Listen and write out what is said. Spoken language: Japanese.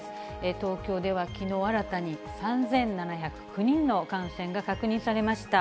東京ではきのう新たに３７０９人の感染が確認されました。